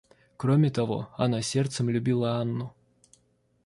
Кроме того, она сердцем любила Анну.